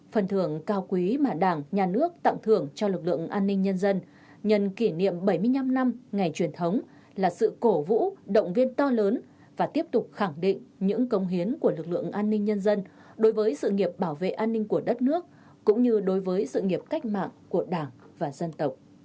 phần thưởng cao quý mà đảng nhà nước tặng thưởng cho lực lượng an ninh nhân dân nhận kỷ niệm bảy mươi năm năm ngày truyền thống là sự cổ vũ động viên to lớn và tiếp tục khẳng định những công hiến của lực lượng an ninh nhân dân đối với sự nghiệp bảo vệ an ninh của đất nước cũng như đối với sự nghiệp cách mạng của đảng và dân tộc